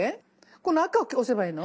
この赤を押せばいいの？